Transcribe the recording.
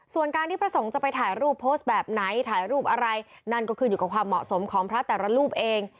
ส่วนการที่พระสงฆ์จะไปถ่ายรูปโพสต์แบบไหนถ่ายรูปอะไรนั่นก็ขึ้นอยู่กับความเหมาะสมของพระแต่ละรูปเอง